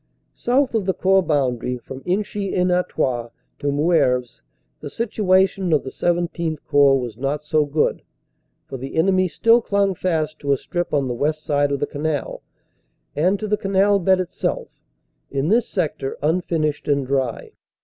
South of the Corps boundary, from Inchy en Artois to Moeuvres, the situation of the XVII Corps was not so good, for the enemy still clung fast to a strip on the west side of the canal, and to the canal bed itself, in this sector unfinished and dry.